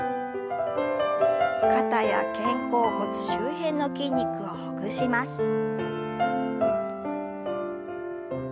肩や肩甲骨周辺の筋肉をほぐします。